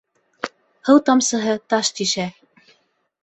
Һыу тамсыһы таш тишә.